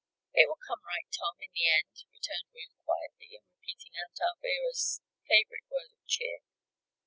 "It will come right, Tom, in the end," returned Ruth, quietly, and repeating Aunt Alvirah's favorite word of cheer.